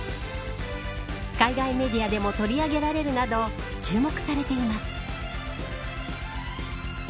海外メディアでも取り上げられるなど注目されています。